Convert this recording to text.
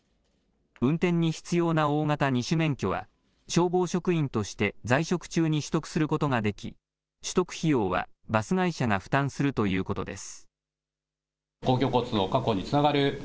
運転に必要な大型２種免許は消防職員として在職中に取得することができ取得費用はバス会社が負担するということです。